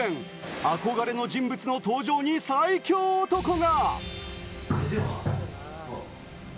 憧れの人物の登場に最強男が。